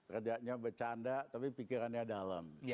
rakyatnya bercanda tapi pikirannya dalam